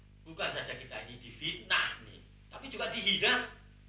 kalau itu alasannya bukan saja kita ini di fitnah tapi juga dihidang